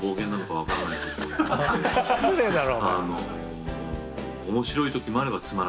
失礼だろ‼